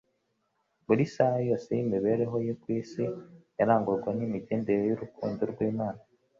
Buri saha yose y'imibereho ye yo ku isi yarangwaga n'imigendere y'urukundo rw'Imana